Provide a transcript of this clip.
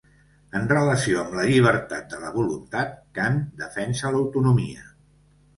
En relació amb la llibertat de la voluntat, Kant defensa l'autonomia.